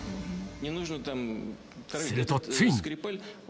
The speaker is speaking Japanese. するとついに。